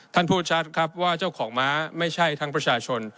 ท่านพูดชัดครับว่าเจ้าของม้าไม่ใช่ทั้งประชาชน